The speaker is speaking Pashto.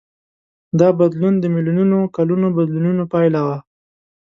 دا بدلون د میلیونونو کلونو بدلونونو پایله وه.